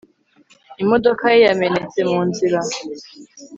Imodoka ye yamenetse mu nzira